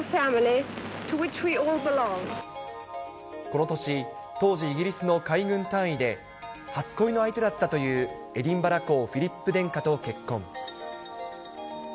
この年、当時イギリスの海軍大尉で、初恋の相手だったというエディンバラ公フィリップ殿下と結婚。